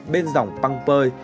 bên dòng păng pơi